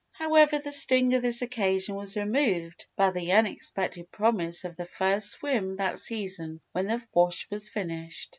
However, the sting of this occasion was removed by the unexpected promise of the first swim that season when the wash was finished.